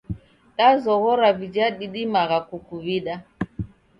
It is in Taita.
Dazoghora vija didimagha kukuw'ida.